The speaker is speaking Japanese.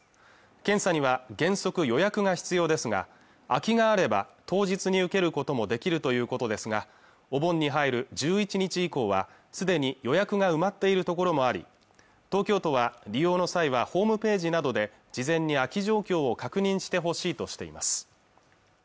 検査には原則予約が必要ですが空きがあれば当日に受けることもできるということですがお盆に入る１１日以降は既に予約が埋まっているところもあり東京都は利用の際はホームページなどで事前に空き状況を確認してほしいとしています